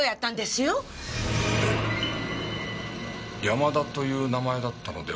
山田という名前だったのでは？